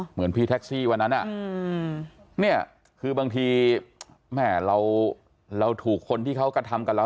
เหมือนพี่แท็กซี่วันนั้นเนี่ยคือบางทีแม่เราถูกคนที่เขากระทำกับเรา